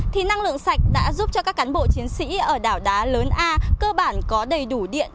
thì năng lượng sạch đã giúp cho các cán bộ chiến sĩ ở đảo đá lớn a cơ bản có đầy đủ điện